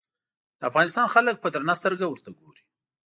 د افغانستان خلک په درنه سترګه ورته ګوري.